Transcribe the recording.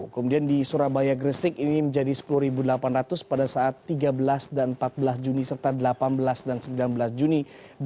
kemudian di surabaya gresik ini menjadi sepuluh delapan ratus pada saat tiga belas dan empat belas juni serta delapan belas dan sembilan belas juni dua ribu dua puluh